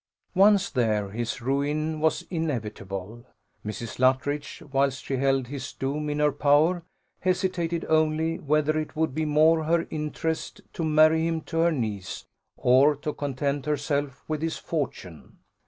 Once there, his ruin was inevitable. Mrs. Luttridge, whilst she held his doom in her power, hesitated only whether it would be more her interest to marry him to her niece, or to content herself with his fortune.